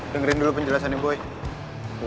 dengerin dulu penjelasannya boy